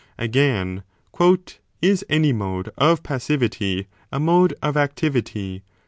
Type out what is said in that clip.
Again, Is any mode of passivity a mode of activity